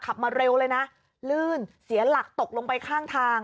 มาเร็วเลยนะลื่นเสียหลักตกลงไปข้างทาง